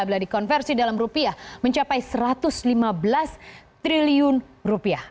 bila dikonversi dalam rupiah mencapai satu ratus lima belas triliun rupiah